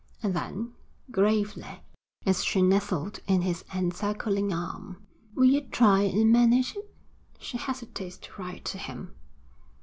And then, gravely, as she nestled in his encircling arm: 'Will you try and manage it? She hesitates to write to him.'